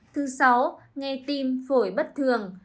thứ sáu nghe tim phổi bất thường